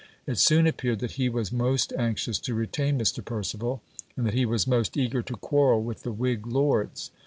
It soon appeared that he was most anxious to retain Mr. Perceval, and that he was most eager to quarrel with the Whig Lords.